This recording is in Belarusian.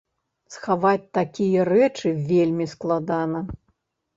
Схаваць такія рэчы вельмі складана!